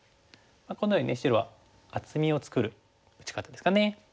このようにね白は厚みを作る打ち方ですかね。